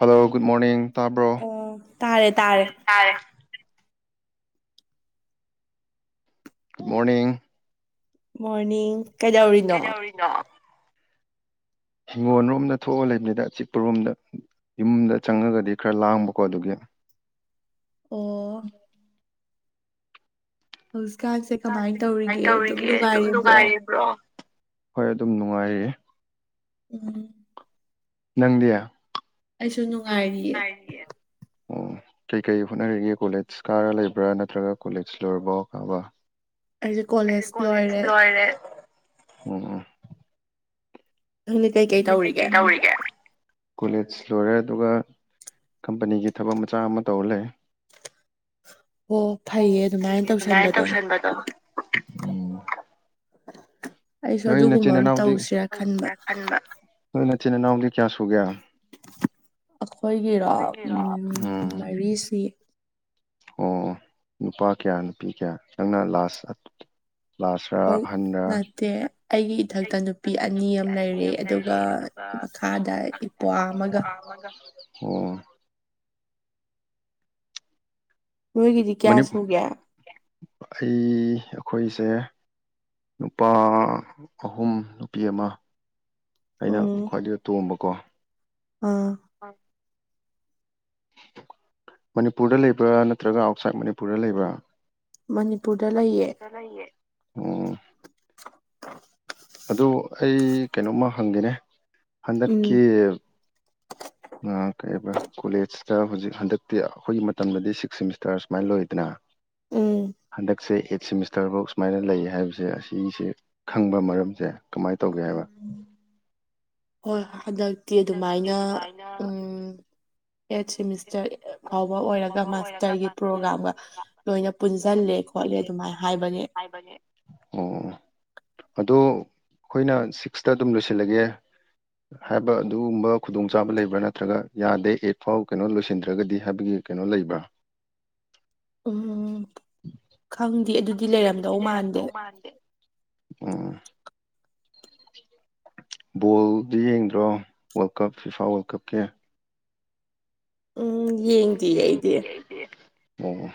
Hello good morning ꯇꯥꯕ꯭ꯔꯣ ꯑꯣ ꯇꯥꯔꯦ ꯇꯥꯔꯦ [inaudible] ꯃꯣꯔꯅꯤꯡ ꯃꯣꯔꯅꯤꯡ ꯎ ꯀꯩꯗꯧꯔꯤꯅꯣ ꯀꯩꯗꯧꯎꯔꯤꯅꯣ ꯍꯤꯡꯒꯣꯜꯔꯣꯝꯗ ꯊꯣꯛꯑ ꯂꯩꯕꯅꯤꯗ ꯑ ꯆꯤꯛꯄꯔꯣꯝꯗ ꯌꯨꯝꯗ ꯆꯪꯉꯒꯗꯤ ꯈꯔ ꯂꯥꯡꯕꯀꯣ ꯑꯗꯨꯒꯤ ꯑꯣ ꯎꯝ ꯍ ꯥꯁꯦ ꯀꯃꯥꯏꯅ ꯇꯧꯔꯤꯒꯦ ꯑꯗꯨꯝ ꯅꯨꯡꯉꯥꯏꯔꯤꯕ꯭ꯔꯣ ꯍꯣꯏ ꯑꯗꯨꯝ ꯅꯨꯡꯉꯥꯏꯔꯤꯌꯦ ꯏꯂꯤ ꯅꯪꯗꯤꯌꯥ ꯑꯩꯁꯨ ꯅꯨꯡꯉꯥꯏꯔꯤꯌꯦ ꯑꯣ ꯀꯩꯀꯩ ꯍꯣꯠꯅꯔꯤꯒꯦ ꯀꯣꯂꯦꯖ ꯀꯥꯔ ꯂꯩꯕ꯭ꯔꯥ ꯅꯠꯇ꯭ꯔꯒ ꯀꯣꯂꯦꯖ ꯂꯣꯏꯔꯕꯥꯎ ꯀꯥꯕ ꯍꯥꯏꯗꯤ ꯀꯣꯂꯦꯖ ꯂꯣꯏꯔꯦ ꯅꯪꯗꯤ ꯀꯩꯀꯩ ꯀ ꯇꯧꯔꯤꯒꯦ ꯀꯩ ꯅꯧꯔꯤꯒꯦ ꯀꯣꯂꯦꯖ ꯂꯣꯏꯔ ꯑꯗꯨꯒ ꯀꯝꯄꯅꯤꯒꯤ ꯊꯕꯛ ꯃꯆꯥ ꯑꯃ ꯇꯧꯔ ꯂꯩ ꯑꯣ ꯐꯩꯌꯦ ꯑꯗꯨꯃꯥꯏꯅ ꯇꯧꯁꯟꯕꯗꯣ ꯑꯩꯁꯨ ꯅꯣꯏ ꯑꯗꯨꯒꯨꯝꯕ ꯅꯆꯤꯟ ꯑꯃ ꯏꯅꯥꯎꯗꯤ ꯇꯧꯁꯤꯔꯥ ꯈꯟꯕ ꯅꯣꯏ ꯅꯆꯤꯟ ꯏꯅꯥꯎꯗꯤ ꯀꯌꯥ ꯁꯨꯒꯦ ꯑꯩꯈꯣꯏꯒꯤꯔꯣ ꯎꯝ ꯃꯔꯤꯁꯤ ꯑꯣ ꯅꯨꯄꯥ ꯀꯌꯥ ꯅꯨꯄꯤ ꯀꯌꯥ ꯅꯪꯅ ꯂꯥꯁ ꯂꯥꯁꯔ ꯍꯣꯏ ꯑꯍꯟꯔ ꯅꯠꯇꯦ ꯑꯩꯒꯤ ꯏꯊꯛꯇ ꯅꯨꯄꯤ ꯑꯅꯤ ꯑꯃ ꯂꯩꯔꯦ ꯑꯗꯨꯒ ꯃꯈꯥꯗ ꯏꯄ꯭ꯋꯥ ꯑꯃꯒ ꯑꯣ ꯅꯣꯏꯒꯤꯗꯤ ꯀꯌꯥ ꯅꯤ ꯁꯨꯒꯦ ꯑꯩ ꯑꯩꯈꯣꯏ ꯁꯦ ꯅꯨꯄꯥ ꯑꯍꯨꯝ ꯅꯨꯄꯤ ꯑꯃ ꯑꯩꯅ ꯎꯝ ꯈ꯭ꯋꯥꯏꯗꯨꯗ ꯇꯣꯝꯕꯀꯣ ꯑꯥ ꯃꯅꯤꯄꯨꯔꯗ ꯂꯩꯕ꯭ꯔꯥ ꯅꯠꯇ꯭ꯔꯒ ꯑꯥꯎꯠꯁꯥꯏꯠ ꯃꯅꯤꯄꯨꯔꯗ ꯂꯩꯕ꯭ꯔꯥ ꯃꯅꯤꯄꯨꯔꯗ ꯂꯩꯌꯦ ꯎꯝ [inaudible] ꯑꯗꯨ ꯑꯩ ꯀꯩꯅꯣꯝꯃ ꯍꯪꯒꯦꯅꯦ ꯎꯝ ꯍꯟꯗꯛꯀꯤ ꯀꯩ ꯀꯣꯂꯦꯖꯇ ꯍꯧꯖꯤꯛ ꯍꯟꯗꯛꯇꯤ ꯑꯩꯈꯣꯏꯒꯤ ꯃꯇꯝꯗꯗꯤ ꯁꯤꯛꯁ ꯁꯦꯃꯤꯁꯇꯔ ꯁꯨꯃꯥꯏꯅ ꯂꯣꯏꯗꯅ ꯎꯝ ꯍꯟꯗꯛꯁꯦ ꯁꯤꯃꯤꯁꯇꯔꯐꯧ ꯁꯨꯃꯥꯏꯅ ꯂꯩ ꯍꯥꯏꯕꯁꯦ ꯑꯁꯤꯁꯦ ꯈꯪꯕ ꯃꯔꯝꯁꯦ ꯀꯃꯥꯏꯅ ꯇꯧꯒꯦ ꯍꯥꯏꯕ ꯍꯣꯏ ꯍꯟꯗꯛꯇꯤ ꯑꯗꯨꯃꯥꯏꯅ ꯎꯝ ꯑꯦꯠ ꯁꯦꯃꯤꯁꯇꯔ ꯐꯥꯎꯕ ꯑꯣꯏꯔꯒ ꯃꯥꯁꯇꯔꯒꯤ ꯄ꯭ꯔꯣꯒ꯭ꯔꯥꯝꯒ ꯂꯣꯏꯅ ꯄꯨꯟꯁꯤꯜꯂꯦ ꯦ ꯈꯣꯠꯂꯦ ꯑꯗꯨꯃꯥꯏꯅ ꯍꯥꯏꯕꯅꯦ ꯑꯗꯨ ꯑꯩꯈꯣꯏꯅ ꯁꯤꯛꯁꯇ ꯑꯗꯨꯝ ꯂꯣꯏꯁꯤꯜꯂꯒꯦ ꯍꯥꯏꯕ ꯑꯗꯨꯒꯨꯝꯕ ꯈꯨꯗꯣꯡꯆꯥꯕ ꯂꯩꯕ꯭ꯔꯥ ꯅꯠꯇ꯭ꯔꯒ ꯌꯥꯗꯦ ꯑꯦꯠ ꯐꯥꯎ ꯀꯩꯅꯣ ꯂꯣꯏꯁꯤꯟꯗ꯭ꯔꯒꯗꯤ ꯍꯥꯏꯕꯒꯤ ꯀꯩꯅꯣ ꯂꯩꯕ꯭ꯔꯥ ꯎꯝ ꯈꯪꯗꯦ ꯑꯗꯨꯗꯤ ꯂꯩꯔꯝꯗꯧ ꯃꯥꯟꯗꯦ ꯑ ꯕꯣꯜꯗꯤ ꯌꯦꯡꯗ꯭ꯔꯣ ꯋꯥꯔꯜ ꯀꯞ ꯐꯤꯐꯥ ꯋꯥꯔꯜ ꯀꯞꯀꯤ ꯎꯝ ꯌꯦꯡꯗꯤ ꯑꯩꯗꯤ ꯑꯣ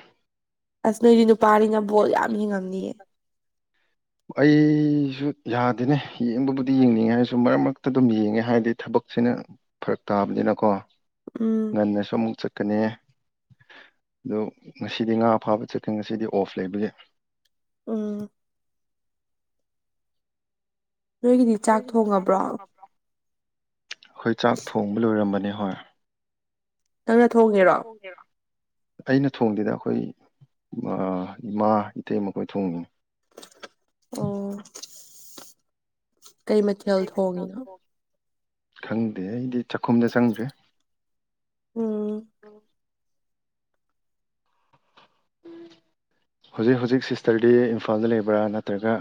ꯑꯁꯅꯔꯤ ꯅꯨꯄꯥꯅꯤꯅ ꯕꯣꯜ ꯌꯥꯝ ꯍꯡꯉꯝꯅꯤꯑ ꯑꯩꯁꯨ ꯌꯥꯗꯦꯅꯦ ꯌꯦꯡꯕꯕꯨꯗꯤ ꯌꯦꯡꯅꯤꯡꯉꯦ ꯍꯥꯏꯔꯁꯨ ꯃꯔꯛ ꯃꯔꯛꯇ ꯑꯗꯨꯝ ꯌꯦꯡꯉꯦ ꯍꯥꯏꯔꯗꯤ ꯊꯕꯛ ꯊꯛꯁꯤꯅ ꯐꯔꯛ ꯇꯥꯕꯅꯤꯅꯀꯣ ꯎꯝ ꯉꯟꯅꯁꯨ ꯑꯃꯨꯛ ꯆꯠꯀꯅꯤ ꯑ ꯉꯁꯤꯗꯤ ꯉꯥ ꯐꯥꯕ ꯆꯠꯀꯦ ꯉꯁꯤꯗꯤ ꯑꯣꯐ ꯂꯩꯕ ꯌꯥꯏ ꯎꯝ ꯅꯣꯏꯒꯤꯗꯤ ꯆꯥꯛ ꯊꯣꯡꯉꯕ꯭ꯔꯣ ꯑꯩꯈꯣꯏ ꯆꯥꯛ ꯊꯣꯡꯕ ꯂꯣꯏꯔꯝꯕꯅꯦ ꯍꯣꯏ ꯅꯪꯅ ꯊꯣꯡꯉꯦꯔꯣ ꯑꯩꯅ ꯊꯣꯡꯗꯗ ꯑꯩꯈꯣꯏ ꯏꯃꯥ ꯏꯇꯩ ꯃꯈꯈꯣꯏ ꯊꯣꯡꯉꯤꯅꯤ ꯑꯣ ꯀꯩ ꯃꯊꯦꯜ ꯊꯣꯡꯉꯤꯅꯣ ꯈꯪꯗꯦ ꯑꯩꯗꯤ ꯆꯥꯛꯈꯨꯝꯗ ꯆꯪꯗ꯭ꯔꯦ ꯎꯝ [inaudible] ꯍꯧꯖꯤꯛ ꯍꯧꯖꯤꯛ ꯁꯤꯁꯇꯔꯗꯤ ꯏꯝꯐꯥꯜꯗ ꯂꯩꯕ꯭ꯔꯥ ꯅꯠꯇ꯭ꯔꯒ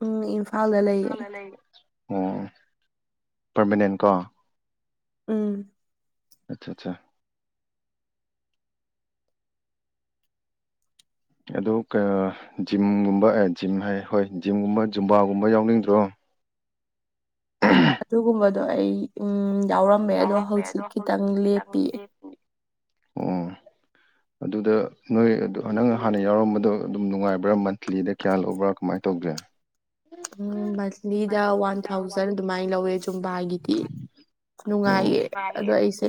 ꯎꯝ ꯏꯝꯐꯥꯜꯗ ꯂꯩꯌꯦ ꯑꯣ ꯄꯔꯃꯅꯦꯟ ꯀꯣ ꯎꯝ ꯑꯆꯥ ꯑꯠꯆꯥ ꯑꯗꯨ ꯀ ꯖꯤꯝꯒꯨꯝꯕ ꯑꯦ ꯖꯤꯝ ꯍꯣꯏꯔꯦ ꯍꯣꯏ ꯖꯤꯝꯒꯨꯝꯕ ꯖꯨꯝꯕꯥꯒꯨꯝꯕ ꯌꯥꯎꯅꯤꯡꯗ꯭ꯔꯣ꯫ ꯑꯗꯨꯒꯨꯝꯕꯗꯣ ꯑꯩ ꯎꯝ ꯌꯥꯎꯔꯝꯃꯦ ꯑꯗꯣ ꯍꯧꯖꯤꯛ ꯈꯤꯇꯪ ꯂꯦꯞꯄꯤꯌꯦ꯫ ꯑꯣ ꯑꯗꯨꯗ ꯅꯣꯏ ꯅꯪ ꯍꯥꯟꯅ ꯌꯥꯎꯔꯝꯕꯗꯣ ꯑꯗꯨꯝ ꯅꯨꯡꯉꯥꯏꯕ꯭ꯔꯥ ꯃꯟꯊꯂꯤꯗ ꯀꯌꯥ ꯂꯧꯕ꯭ꯔꯥ ꯀꯃꯥꯏ [unintelligible] ꯇꯧꯒꯦ꯫ ꯎꯝ ꯃꯟꯊꯂꯤꯗ ꯋꯥꯟ ꯊꯥꯎꯖꯟ ꯑꯗꯨꯃꯥꯏ ꯂꯧꯋꯦ ꯖꯨꯝꯕꯥꯒꯤꯗꯤ꯫ ꯑꯣ ꯅꯨꯡꯉꯥꯏꯌꯦ ꯑꯗꯣ ꯑꯩꯁꯦ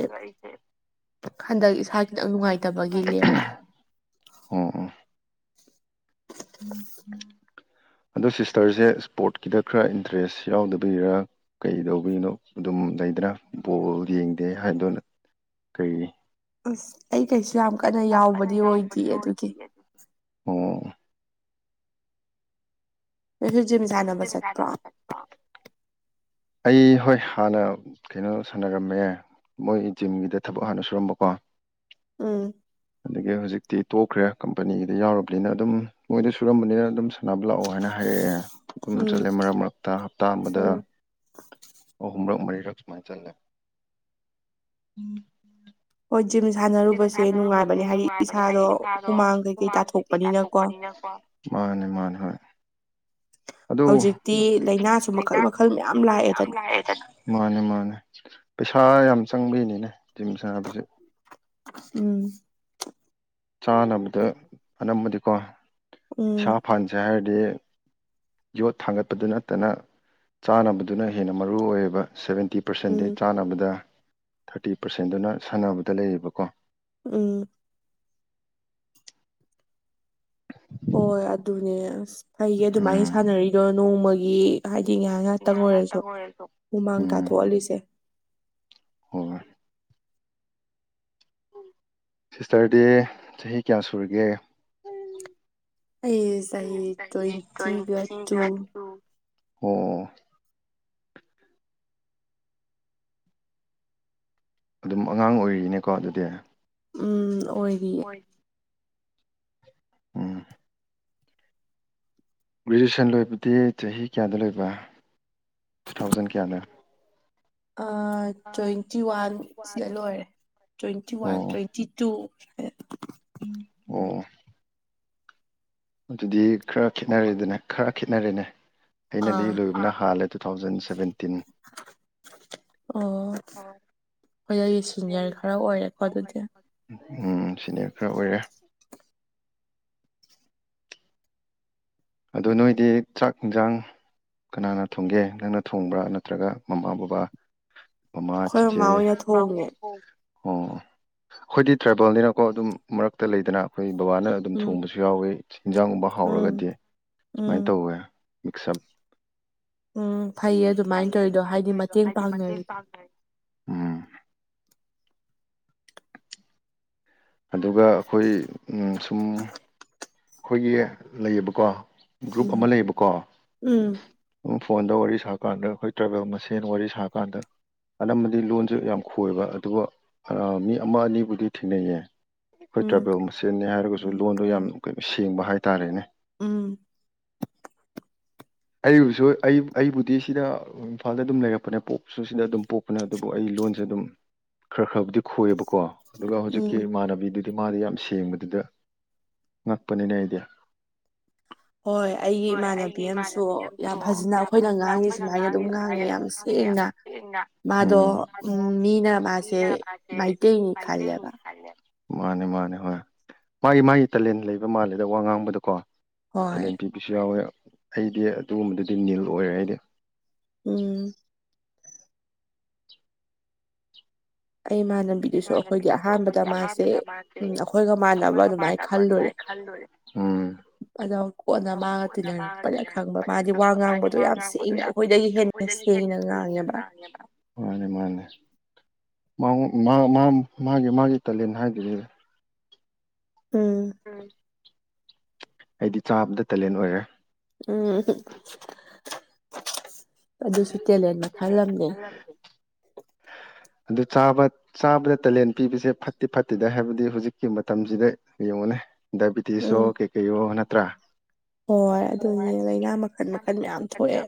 ꯍꯟꯗꯛ ꯏꯁꯥ ꯈꯤꯇꯪ ꯅꯨꯡꯉꯥꯏꯇꯕꯒꯤ ꯂꯦꯞꯄ꯫ ꯑꯣ ꯑꯣ꯫ ꯑꯗꯣ ꯁꯤꯁꯇꯔꯁꯦ ꯁ꯭ꯄꯣꯔꯠꯀꯤꯗ ꯈꯔ ꯏꯟꯇꯔꯦꯁ ꯌꯥꯎꯗꯕꯩꯔꯥ ꯀꯩꯔꯤꯗꯧꯕꯩꯅꯣ ꯑꯗꯨꯝ ꯂꯩ ꯗꯅ ꯕꯣꯜ ꯌꯦꯡꯗꯦ ꯍꯥꯏꯗꯣ ꯅꯪ ꯀꯔꯤ ꯑꯁ ꯌꯥꯝ ꯑꯩ ꯀꯟꯅ ꯀꯩꯁꯨ ꯌꯥꯝ ꯀꯟꯅ ꯌꯥꯎꯕꯗꯤ ꯑꯣꯏꯗꯦ ꯌꯥꯎꯕꯗꯤ ꯑꯣꯏꯗꯤꯌꯦ ꯑꯗꯨꯒꯤ ꯑꯣ꯫ ꯅꯪꯖꯨ ꯖꯤꯝ ꯁꯥꯟꯅꯕ ꯆꯠꯄ꯭ꯔꯥ꯫ ꯑꯩ ꯍꯣꯏ ꯍꯥꯟꯅ ꯀꯩꯅꯣ ꯁꯥꯟꯅꯔꯝꯃꯦ ꯃꯣꯏꯒꯤ ꯖꯤꯝꯗ ꯊꯕꯛ ꯍꯥꯟꯅ ꯁꯨꯔꯝꯕꯀꯣ꯫ ꯎꯝ꯫ ꯑꯗꯨꯗꯒꯤ ꯍꯧꯖꯤꯛꯇꯤ ꯇꯣꯛꯈ꯭ꯔꯦ ꯀꯝꯄꯅꯤꯒꯤꯗ ꯌꯥꯎꯔꯨꯕꯅꯤꯅ ꯑꯗꯨꯝ ꯃꯣꯏꯗ ꯁꯨꯔꯝꯕꯅꯤꯅ ꯑꯗꯨꯝ ꯁꯥꯟꯅꯕ ꯂꯥꯛꯑꯣ ꯍꯥꯏꯅ ꯍꯥꯏꯔꯛꯑꯦ ꯑꯗꯨꯝ ꯆꯠꯂꯦ ꯎꯝ ꯃꯔꯛ ꯃꯔꯛꯇ ꯍꯞꯇꯥ ꯑꯃꯗ ꯑꯍꯨꯝꯔꯛ ꯃꯔꯤꯔꯛ ꯁꯨꯃꯥꯏ ꯆꯜꯂꯦ ꯎꯝ꯫ ꯍꯣꯏ ꯖꯤꯝ ꯁꯥꯟꯅꯔꯨꯕꯁꯦ ꯅꯨꯡꯉꯥꯏꯕꯅꯦ ꯍꯥꯏꯗꯤ ꯏꯁꯥꯗꯣ ꯍꯨꯃꯥꯡ ꯀꯩꯀꯩ ꯇꯥꯊꯣꯛꯄꯅꯤꯅꯀꯣ꯫ ꯃꯥꯅꯦ ꯃꯥꯅꯦ ꯍꯣꯏ꯫ ꯑꯗꯨꯕꯨ ꯍꯧꯖꯤꯛꯇꯤ ꯂꯩꯅꯥꯖꯦ ꯃꯈꯜ ꯃꯌꯥꯝ ꯂꯥꯛꯑꯦꯗꯅ ꯃꯥꯅꯦ ꯃꯥꯅꯦ꯫ ꯄꯩꯁꯥ ꯌꯥꯝ ꯆꯪꯕꯩꯅꯤꯅꯦ ꯖꯤꯝ ꯁꯥꯟꯅꯕꯖꯦ꯫ ꯎꯝ꯫ ꯆꯥꯅꯕꯗ ꯑꯅꯝꯕꯗꯤꯀꯣ ꯎꯝ ꯏꯁꯥ ꯐꯍꯟꯖꯦ ꯍꯥꯏꯔꯗꯤ꯫ ꯌꯣꯠ ꯊꯥꯡꯒꯠꯄꯗ ꯅꯠꯇꯅ ꯆꯥꯅꯕꯗꯨꯅ ꯍꯦꯟꯅ ꯃꯔꯨ ꯑꯣꯏꯌꯦꯕ ꯁꯚꯦꯟ ꯇꯤ ꯄꯥꯔꯁꯦꯟꯗꯤ ꯎꯝ ꯆꯥꯟꯅꯕꯗ ꯊꯥꯔꯇꯤ ꯄꯥꯔꯁꯦꯟꯗꯨꯅ ꯁꯥꯟꯅꯕꯗ ꯂꯩꯌꯦꯕꯀꯣ꯫ ꯎꯝ꯫ ꯍꯣꯏ ꯑꯗꯨꯅꯦ ꯑꯁ ꯐꯩꯌꯦ ꯑꯗꯨꯃꯥꯏꯅ ꯎꯝ ꯁꯥꯟꯅꯔꯤꯗꯣ ꯅꯣꯡꯃꯒꯤ ꯍꯥꯏꯗꯤ ꯇꯤ ꯉꯍꯥꯛ ꯉꯍꯥꯛꯇꯪ ꯑꯣꯏꯔꯖꯨ ꯍꯨꯃꯥꯡ ꯎꯝ ꯇꯥꯊꯣꯛꯍꯜꯂꯤꯁꯦ ꯍꯣꯏ꯫ ꯁꯤꯁꯇꯔꯗꯤ ꯆꯍꯤ ꯀꯌꯥ ꯁꯨꯔꯒꯦ꯫ [unintelligible] ꯇ꯭ꯋꯦꯟꯇꯤꯒ ꯇꯨ꯫ ꯑꯣ꯫ ꯑꯗꯨꯝ ꯑꯉꯥꯡ ꯑꯣꯏꯔꯤꯅꯦꯀꯣ ꯑꯗꯨꯗꯤ꯫ ꯎꯝ ꯑꯣꯏꯔꯤꯌꯦ꯫ ꯎꯝ꯫ ꯒ꯭ꯔꯦꯖꯨꯌꯦꯁꯟ ꯂꯣꯏꯕꯗꯤ ꯆꯍꯤ ꯀꯌꯥꯗ ꯂꯣꯏꯕ ꯇꯨ ꯊꯥꯎꯖꯟ ꯀꯌꯥꯗ꯫ ꯑ ꯇ꯭ꯋꯦꯟꯇꯤ ꯋꯥꯟ ꯁꯤꯗ ꯂꯣꯏꯔꯦ ꯇ꯭ꯋꯦꯟꯇꯤ ꯋꯥꯟ ꯑꯣ ꯇ꯭ꯋꯦꯟꯇꯤ ꯇꯨ ꯑꯣ ꯑꯗꯨꯗꯤ ꯈꯔ ꯈꯦꯠꯅꯔꯦꯗꯅꯦ ꯈꯔ ꯈꯦꯠꯅꯔꯦꯅꯦ ꯑꯩꯅꯗꯤ ꯑꯥ ꯂꯣꯏꯕꯅ ꯍꯥꯜꯂꯦ꯫ Two thousand seventeen. ꯑꯣ ꯍꯣꯏ ꯑꯩ ꯁꯤꯅꯤꯌꯔ ꯈꯔ ꯑꯣꯏꯔꯦꯀꯣ ꯑꯗꯨꯗꯤ꯫ ꯎꯝ ꯁꯤꯅꯌ ꯈꯔ ꯑꯣꯏꯔꯦ꯫ ꯑꯗꯨ ꯅꯣꯏꯗꯤ ꯆꯥꯛ ꯏꯟꯖꯥꯡ ꯀꯅꯥꯅ ꯊꯣꯡꯒꯦ ꯅꯪꯅ ꯊꯣꯡꯕ꯭ꯔꯥ ꯅꯠꯇ꯭ꯔꯒ ꯃꯃꯥ ꯕꯕꯥ ꯑꯩꯈꯣꯏ ꯃꯥꯁꯦ ꯃꯃꯥ ꯍꯣꯏꯅ ꯑꯣ ꯊꯣꯡꯉꯦ ꯑꯩꯈꯣꯏꯗꯤ ꯇ꯭ꯔꯥꯏꯕꯦꯜꯅꯤꯅꯀꯣ ꯑꯗꯨꯝ ꯃꯔꯛꯇ ꯂꯩꯗꯅ ꯑꯩꯈꯣꯏ ꯕꯕꯥꯅ ꯑꯗꯨꯝ ꯎꯝ ꯊꯣꯡꯕꯁꯨ ꯌꯥꯎꯋꯤ ꯏꯤꯟꯖꯥꯡꯒꯨꯝꯕ ꯎꯝ ꯍꯥꯎꯔꯒꯗꯤ ꯁꯨꯃꯥꯏꯅ ꯎꯝ ꯇꯧꯋꯦ ꯃꯛꯁꯝ ꯎꯝ ꯐꯩꯌꯦ ꯑꯗꯨꯃꯥꯏꯅ ꯇꯧꯔꯤꯗꯣ ꯍꯥꯏꯗꯤ ꯃꯇꯦꯡ ꯄꯥꯡꯅꯔꯤꯗ ꯎꯝ ꯑꯗꯨꯒ ꯑꯩꯈꯣꯏ ꯁꯨꯝ ꯑꯩꯈꯣꯏꯒꯤ ꯂꯩꯌꯦꯕꯀꯣ ꯒ꯭ꯔꯨꯞ ꯎꯝ ꯑꯃ ꯂꯩꯌꯦꯕꯀꯣ ꯎꯝ ꯎ ꯐꯣꯟꯗ ꯋꯥꯔꯤ ꯁꯥ ꯀꯥꯟꯗ ꯑꯩꯈꯣꯏ ꯇ꯭ꯔꯥꯕꯦꯜ ꯃꯁꯦꯟ ꯋꯥꯔꯤ ꯁꯥ ꯀꯥꯟꯗ ꯑꯅꯝꯕꯗꯤ ꯂꯣꯟꯁꯨ ꯌꯥꯝ ꯈꯣꯏꯕ ꯑꯗꯨꯕꯨ ꯃꯤ ꯑꯃ ꯑꯅꯤꯕꯨꯗꯤ ꯊꯦꯡꯅꯩꯌꯦ ꯑꯩꯈꯣꯏ ꯎꯝ ꯇ꯭ꯔꯥꯏꯕꯦꯜ ꯃꯁꯦꯅꯤ ꯍꯥꯏꯔꯒꯁꯨ ꯂꯣꯟꯗꯣ ꯌꯥꯝ ꯀꯩꯅꯣ ꯁꯦꯡꯕ ꯍꯥꯏꯇꯥꯔꯦꯅꯦ ꯎꯝ ꯑꯩꯕꯨꯁꯨ ꯑꯩ ꯑꯩꯕꯨꯗꯤ ꯁꯤꯗ ꯏꯝꯐꯥꯜꯗ ꯑꯗꯨꯝ ꯂꯩꯔꯛꯄꯅꯦ ꯄꯣꯛꯄꯁꯨ ꯁꯤꯗ ꯑꯗꯨꯝ ꯄꯣꯛꯄꯅꯦ ꯑꯗꯨꯕꯨ ꯑꯩ ꯂꯣꯟꯁꯦ ꯑꯗꯨꯝ ꯈꯔ ꯈꯔꯕꯨꯗꯤ ꯈꯣꯏꯌꯦꯕꯀꯣ ꯑꯗꯨꯒ ꯎꯝ ꯍꯧꯖꯤꯛꯀꯤ ꯏꯃꯥꯟꯅꯕꯤꯗꯨ ꯗꯤꯃꯥꯗꯤ ꯌꯥꯝ ꯁꯦꯡꯕꯗꯨꯗ ꯉꯛꯄꯅꯤꯅ ꯑꯩꯗꯤ ꯍꯣꯏ ꯑꯩꯒꯤ ꯏꯃꯥꯟꯅꯕꯤ ꯑꯃꯁꯨ ꯌꯥꯝ ꯐꯖꯅ ꯑꯩꯈꯣꯏꯅ ꯉꯥꯡꯉꯤ ꯁꯨꯃꯥꯏꯅ ꯑꯗꯨꯝ ꯉꯥꯡꯉꯦ ꯌꯥꯝ ꯁꯦꯡꯅ ꯃꯥꯗꯣ ꯎꯝ ꯎꯝ ꯃꯤꯅꯥ ꯃꯥꯁꯦ ꯃꯥꯏꯇꯅꯤ ꯈꯔꯂꯕ ꯃꯥꯅꯦ ꯃꯥꯅꯦ ꯍꯣꯏ ꯃꯥꯒꯤ ꯃꯥꯒꯤ ꯇꯥꯂꯦꯟ ꯂꯩꯕ ꯃꯥꯜꯂꯦꯗ ꯋꯥ ꯉꯥꯡꯕꯗꯀꯣ ꯍꯣꯏ ꯇꯦꯂꯦꯟ ꯄꯤꯕꯤꯁꯨ ꯌꯥꯎꯋꯦ ꯑꯩꯗꯤ ꯑꯗꯨꯒꯨꯝꯕꯗꯨꯗꯤ ꯅꯤꯜ ꯑꯣꯏꯔꯦ ꯍꯥꯏꯗꯤ ꯎꯝ ꯑꯩ ꯏꯃꯥꯟꯅꯕꯤꯗꯨꯁꯨ ꯑꯩꯈꯣꯏꯗꯤ ꯑꯍꯥꯟꯕꯗ ꯃꯥꯁꯦ ꯎꯝ ꯑꯩꯈꯣꯏꯒ ꯃꯥꯟꯅꯕ ꯑꯗꯨꯃꯥꯏꯅ ꯈꯜꯂꯨꯔꯦ ꯎꯝ ꯑꯗ ꯀꯣꯟꯅ ꯃꯥꯒ ꯇꯤꯟꯅꯔꯛꯄꯗ ꯈꯪꯕ ꯃꯥꯗꯤ ꯋꯥ ꯉꯥꯡꯕꯗꯣ ꯌꯥꯝ ꯁꯦꯡꯅ ꯑꯩꯈꯣꯏꯗꯒꯤ ꯍꯦꯟꯅꯁ ꯃꯥꯅꯦ ꯃꯥꯅꯦ ꯃꯥꯒꯤ ꯃꯥꯒꯤ ꯇꯂꯦꯟ ꯍꯥꯏꯗ꯭ꯔꯤ ꯎꯝ ꯑꯩꯗꯤ ꯆꯥꯕꯗ ꯇꯦꯂꯦꯟ ꯑꯣꯏꯔꯦ ꯎꯝ ꯑꯗꯨꯁꯨ ꯇꯦꯂꯦꯟ ꯃꯈꯜꯂꯝ [inaudible] ꯑꯗꯨ ꯆꯥ ꯆꯥꯕꯗ ꯇꯦꯂꯦꯟ ꯄꯤꯕꯁꯦ ꯐꯠꯇꯦ ꯐꯠꯇꯦꯗ ꯍꯥꯏꯕꯗꯤ ꯍꯧꯖꯤꯛꯀꯤ ꯃꯇꯝꯁꯤꯗ ꯌꯦꯡꯉ ꯅꯦ ꯗꯥꯏꯕꯤꯦꯇꯤꯁꯣ ꯎꯝ ꯀꯩꯀꯩꯣ ꯅꯠꯇ꯭ꯔꯥ ꯍꯣꯏ ꯑꯗꯨꯅꯦ ꯂꯥꯏꯅꯥ ꯃꯈꯜ ꯃꯈꯜ ꯃꯌꯥꯝ ꯊꯣꯛꯑꯦ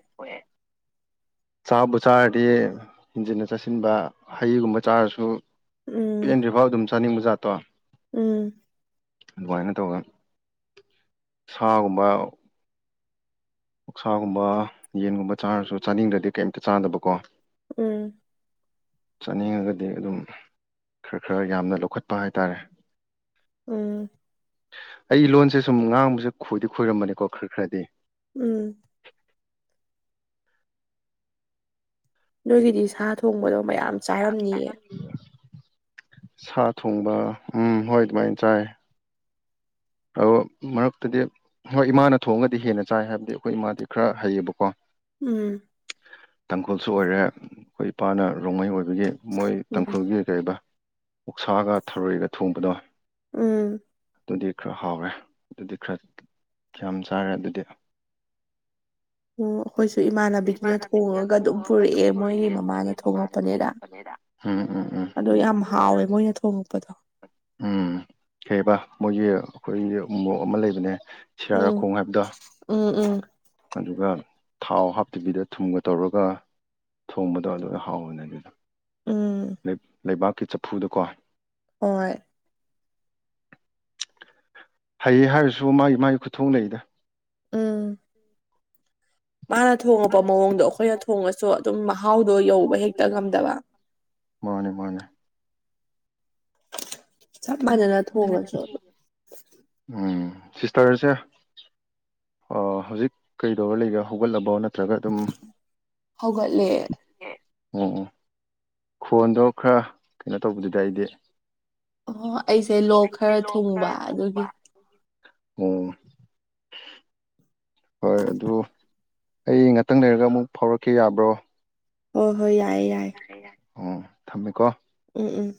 ꯆꯥꯕꯨ ꯆꯥꯔꯗꯤ ꯍꯦꯟꯖꯤꯟꯅ ꯆꯥꯁꯤꯟꯕ ꯍꯩꯒꯨꯝꯕ ꯆꯥꯔꯁꯨ ꯎꯝ ꯦꯟꯗ꯭ꯔꯤ ꯐꯥꯎ ꯑꯗꯨꯝ ꯆꯥꯅꯤꯡꯕ ꯖꯥꯠꯇꯣ ꯎꯝ ꯑꯗꯨꯃꯥꯏꯅ ꯇꯧꯔꯒ ꯁꯥꯒꯨꯝꯕ ꯎꯛꯁꯥꯒꯨꯝꯕ ꯌꯦꯟꯒꯨꯝꯕ ꯆꯥꯔꯁꯨ ꯆꯥꯅꯤꯡꯗ꯭ꯔꯗꯤ ꯀꯩꯝꯇ ꯆꯥꯗꯕꯀꯣ ꯎꯝ ꯆꯥꯅꯤꯡꯉꯒꯗꯤ ꯑꯗꯨꯝ ꯈꯔ ꯈꯔ ꯌꯥꯝꯅ ꯂꯧꯈꯠꯄ ꯍꯥꯏꯇꯥꯔꯦ ꯎꯝ ꯁꯦ ꯁꯨꯝ ꯉꯥꯡꯕꯁꯦ ꯈꯣꯏꯗꯤ ꯈꯣꯏꯔꯝꯕꯅꯤꯀꯣ ꯈꯔ ꯈꯔꯗꯤ ꯎꯝ ꯅꯣꯏꯒꯤꯗꯤ ꯁꯥ ꯊꯣꯡꯕꯗꯣ ꯃꯌꯥꯝ ꯆꯥꯔꯝꯅꯤꯌꯦ ꯁꯥ ꯊꯣꯡꯕ ꯎꯝ ꯍꯣꯏ꫰ ꯑꯗꯨꯃꯥꯏꯅ ꯆꯥꯏ ꯑꯣ ꯃꯔꯛꯇꯗꯤ ꯍꯣꯏ ꯏꯃꯥꯅ ꯊꯣꯡꯉꯒꯗꯤ ꯍꯦꯟꯅ ꯆꯥꯏ ꯍꯥꯏꯕꯗꯤ ꯑꯩꯈꯣꯏ ꯏꯃꯥꯗꯤ ꯈꯔ ꯍꯩꯌꯦꯕꯀꯣ ꯎꯝ ꯇꯥꯡꯈꯨꯜꯁꯨ ꯑꯣꯏꯔꯦ ꯑꯩꯈꯣꯏ ꯏꯄꯥꯅ ꯔꯣꯡꯃꯩ ꯑꯣꯏꯕꯒꯤ ꯃꯣꯏ ꯎꯝ ꯇꯥꯡꯈꯨꯜꯒꯤ ꯀꯔꯤꯕ ꯑꯣꯛꯁꯥꯒ ꯊꯔꯣꯏꯒ ꯊꯣꯡꯕꯗꯣ ꯎꯝ ꯑꯗꯨꯗꯤ ꯈꯔ ꯍꯥꯎꯋꯦ ꯑꯗꯨꯗꯤ ꯈꯔ ꯌꯥꯝ ꯆꯥꯔꯦ ꯑꯗꯨꯗꯤ ꯑꯣ ꯑꯩꯈꯣꯏꯁꯨ ꯏꯃꯥꯟꯅꯕꯤꯗꯨꯅ ꯊꯣꯡꯉꯒ ꯑꯗꯨꯝ ꯄꯨꯔꯛꯑꯦ ꯃꯣꯏꯒꯤ ꯃꯃꯥꯅ ꯊꯣꯉꯛꯄꯅꯦꯅ ꯎꯝ ꯎꯝ ꯎꯝ ꯑꯗꯣ ꯌꯥꯝ ꯍꯥꯎꯋꯦ ꯃꯣꯏꯅ ꯊꯣꯡꯉꯛꯄꯗꯣ ꯎꯝ ꯀꯩꯕ ꯃꯣꯏꯒꯤ ꯑꯩꯈꯣꯏꯒꯤ ꯎꯃꯣꯔꯣꯛ ꯑꯃ ꯂꯩꯕꯅꯦ ꯎꯝ ꯁꯤꯔꯥꯔꯈꯣꯡ ꯍꯥꯏꯕꯗꯣ ꯎꯝ ꯎꯝ ꯑꯗꯨꯒ ꯊꯥꯎ ꯍꯥꯞꯇꯕꯤꯗ ꯊꯨꯝꯒ ꯇꯧꯔꯒ ꯊꯣꯡꯕꯗꯣ ꯑꯗꯨꯗꯣ ꯍꯥꯎꯕꯅꯦ ꯑꯗꯨꯗꯣ ꯎꯝ ꯂꯩꯕꯥꯛꯀꯤ ꯆꯐꯨ ꯗꯀꯣ ꯍꯣꯏ ꯍꯩꯌꯦ ꯍꯥꯏꯔꯁꯨ ꯃꯥꯒꯤ-ꯃꯥꯒꯤ ꯈꯨꯊꯣꯡ ꯂꯩꯗ ꯎꯝ ꯃꯥꯅ ꯊꯣꯡꯉꯛꯄ ꯃꯑꯣꯡꯗꯣ ꯑꯩꯈꯣꯏꯅ ꯊꯣꯡꯉꯁꯨ ꯑꯗꯨꯝ ꯃꯍꯥꯎ ꯃꯍꯥꯎꯗꯣ ꯌꯧꯕ ꯍꯦꯛꯇ ꯉꯝꯗꯕ ꯃꯥꯅꯦ ꯃꯥꯅꯦ ꯆꯞ ꯃꯥꯟꯅꯅ ꯊꯣꯡꯉꯁꯨ ꯑꯗꯨꯝ ꯎꯝ ꯁꯤꯁꯇꯔꯁꯦ ꯑꯥ ꯍꯧꯖꯤꯛ ꯀꯩꯗꯧꯔ ꯂꯩꯒꯦ ꯍꯧꯒꯠꯂꯕꯣ ꯅꯠ ꯍꯧꯒꯠꯂꯦ ꯑꯣ ꯑꯣ ꯈꯣꯟꯗꯣ ꯈꯔ ꯀꯩꯅꯣ ꯇꯧꯕꯗꯨꯗ ꯑꯩꯗꯤ ꯑꯣ ꯑꯩꯁꯦ ꯂꯣꯛ ꯈꯔ ꯊꯨꯡꯕ ꯑꯗꯨꯒꯤ ꯑꯣ ꯍꯣꯏ ꯑꯗꯨ ꯑꯩ ꯉꯥꯛꯇꯪ ꯂꯩꯔꯒ ꯑꯃꯨꯛ ꯐꯥꯎꯔꯛꯀꯦ ꯌꯥꯕ꯭ꯔꯣ ꯍꯣꯏ ꯍꯣꯏ ꯌꯥꯏꯌꯦ ꯌꯥꯏ ꯑꯣ ꯊꯝꯃꯦꯀꯣ ꯎꯝ ꯎꯝ